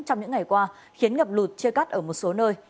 trong những ngày qua khiến ngập lụt chia cắt ở một số nơi